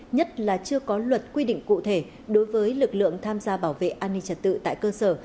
nhất là chưa có luật quy định cụ thể đối với lực lượng tham gia bảo vệ an ninh trật tự tại cơ sở